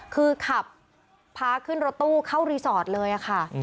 คือขับพาขึ้นรถตู้เข้ารีสอร์ทเลยค่ะ